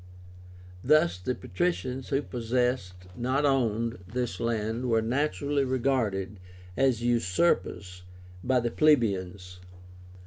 Thus the patricians who possessed, not owned, this land were naturally regarded as usurpers by the plebeians.